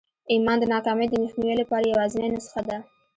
ایمان د ناکامۍ د مخنیوي لپاره یوازېنۍ نسخه ده